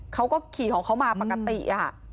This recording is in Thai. เขาก็ขี่ของเขามาปกติ